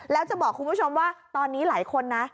แล้วจะบอกคุณผู้ชมว่าตอนนี้หลายคนนะ